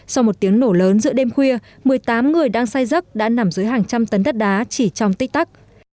sau một tiếng nổ lớn giữa đêm khuya một mươi tám người đang say giấc đã nằm dưới hàng trăm tấn đất đá chỉ trong tích tắc